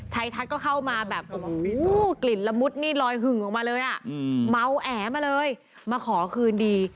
ชัดก็เข้ามาแบบโอ้โหกลิ่นละมุดนี่ลอยหึ่งออกมาเลยอ่ะเมาแอมาเลยมาขอคืนดี